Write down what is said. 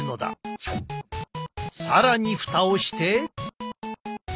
更にふたをして。